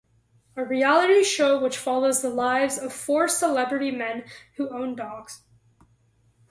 A reality show which follows the lives of four celebrity men who own dogs.